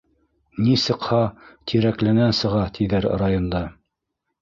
Ни сыҡһа Тирәкленән сыға, тиҙәр районда.